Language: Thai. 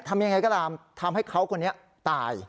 ทำอย่างไรก็รามทำให้เขานี้ตาย